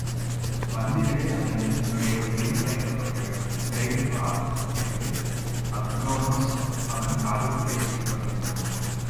வந்துவிடு அல்லது உன்னுடைய உயிரும் பறிக்கப்பட்டுவிடும், விரைவில் வா என்று அக்ரோனோஸ் அவன் காதுக்குள்ளே சொல்லிக்கொண்டிருந்தான்.